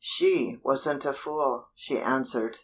She wasn't a fool, she answered.